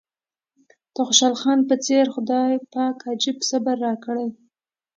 د خوشحال خان په څېر خدای پاک عجيب صبر راکړی.